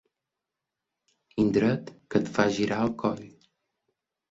Indret que et fa girar el coll.